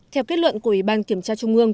theo kết luận của ủy ban kiểm tra trung ương